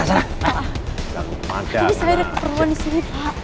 ini saya ada keperluan disini pak